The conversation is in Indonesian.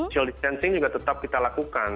social distancing juga tetap kita lakukan